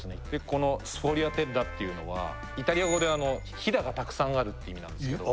このスフォリアテッラっていうのはイタリア語でヒダがたくさんあるって意味なんですけど